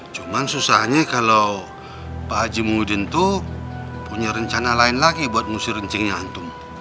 cuman susahnya kalau pak haji muhyiddin tuh punya rencana lain lagi buat ngusir kencingnya antum